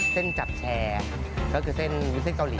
เส้นจับแชร์ก็ก็คือเส้นเกาหลี